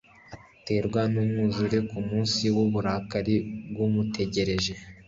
aterwe n'umwuzure ku munsi w'uburakari bw'umutegereje